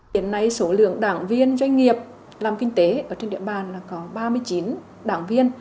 đến nay số lượng đảng viên doanh nghiệp làm kinh tế ở trên địa bàn có ba mươi chín đảng viên